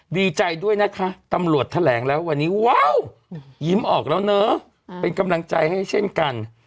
ดีใจด้วยนะคะตำรวจแถลงแล้ววันนี้ว้าวยิ้มออกแล้วเนอะเป็นกำลังใจให้เช่นกัน